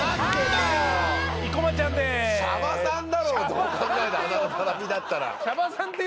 どう考えてもあの並びだったら。